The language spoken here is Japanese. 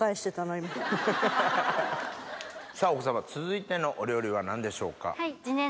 さぁ奥様続いてのお料理は何でしょうか？